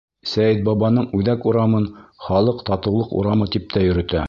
Сәйетбабаның Үҙәк урамын халыҡ Татыулыҡ урамы тип тә йөрөтә.